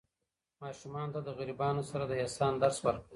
ماشومانو ته د غریبانو سره د احسان درس ورکړئ.